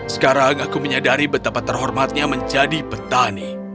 sekarang aku menyadari betapa terhormatnya menjadi petani